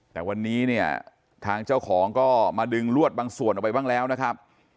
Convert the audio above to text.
แต่วันนี้เนี่ยทางเจ้าของก็มาดึงลวดบางส่วนออกไปบ้างแล้วนะครับ